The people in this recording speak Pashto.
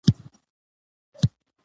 ډېر نارينه خصوصيتونه لري.